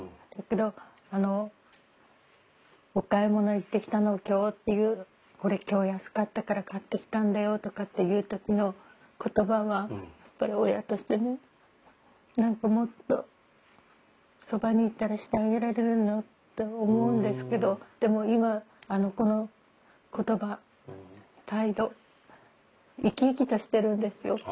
だけどお買い物行ってきたの今日っていうこれ今日安かったから買ってきたんだよとかっていうときの言葉はやっぱり親としてねなんかもっとそばにいたらしてあげられるのって思うんですけどでも今あの子の言葉・態度生き生きとしてるんですよ。